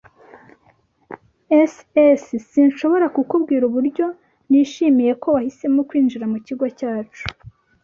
S S Sinshobora kukubwira uburyo nishimiye ko wahisemo kwinjira mu kigo cyacu.